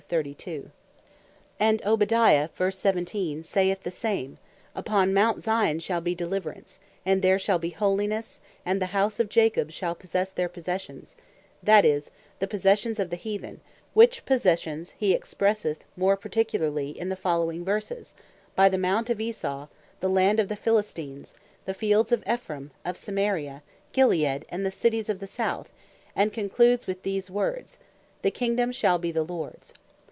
And Obadiah verse 17 saith the same, "Upon Mount Zion shall be Deliverance; and there shall be holinesse, and the house of Jacob shall possesse their possessions," that is, the possessions of the Heathen, which possessions he expresseth more particularly in the following verses, by the Mount of Esau, the Land of the Philistines, the Fields of Ephraim, of Samaria, Gilead, and the Cities of the South, and concludes with these words, "the Kingdom shall be the Lords."